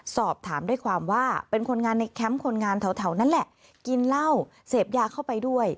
สอบถามด้วยความว่าเป็นคนงานในแคมป์คนงานแถวนั้นแหละกินเหล้าเสพยาเข้าไปด้วย